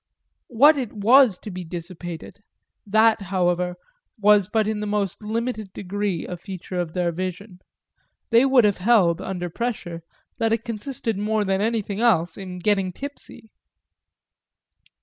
What it was to be dissipated that, however, was but in the most limited degree a feature of their vision; they would have held, under pressure, that it consisted more than anything else in getting tipsy.